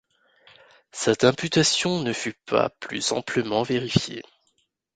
Cette imputation ne fut pas plus amplement vérifiée.